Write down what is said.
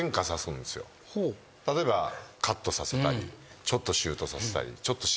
例えばカットさせたりちょっとシュートさせたりちょっと沈ませたり。